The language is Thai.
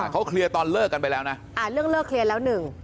เขาเคลียร์ตอนเลิกกันไปแล้วนะเรื่องเลิกเคลียร์แล้วหนึ่ง